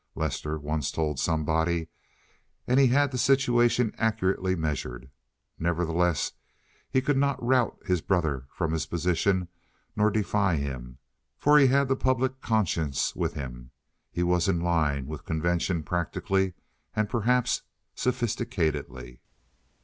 Lester once told somebody, and he had the situation accurately measured. Nevertheless he could not rout his brother from his positions nor defy him, for he had the public conscience with him. He was in line with convention practically, and perhaps sophisticatedly.